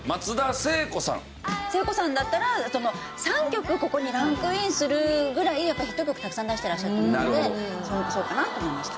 聖子さんだったら３曲ここにランクインするぐらいヒット曲をたくさん出してらっしゃったのでそうかな？と思いました。